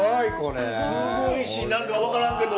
すごいしなんかわからんけど。